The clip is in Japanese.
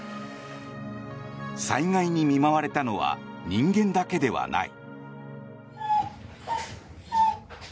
災害に見舞われたのは人間だけではない。